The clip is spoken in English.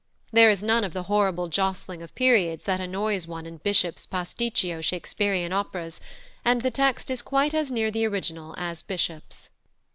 There is none of the horrible jostling of periods that annoys one in Bishop's pasticcio Shakespearian operas, and the text is quite as near the original as Bishop's.